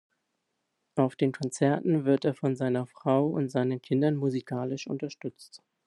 Auf den Konzerten wird er von seiner Frau und seinen Kindern musikalisch unterstützt.